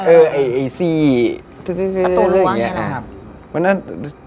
เอออะไรอย่างเงี้ย